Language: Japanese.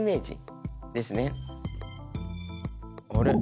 あれ？